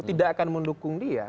tidak akan mendukung dia